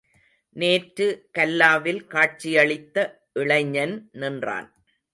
நேற்று கல்லாவில் காட்சியளித்த இளைஞன் நின்றான்.